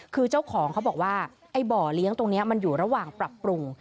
คือเจ้าของเขาบอกว่าไอ้บ่อเลี้ยงตรงนี้มันอยู่ระหว่างปรับปรุง